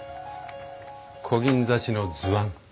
こぎん刺しの図案。